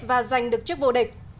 và giành được chức vô địch